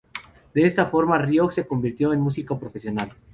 De esta forma, Roig se convirtió en músico profesional.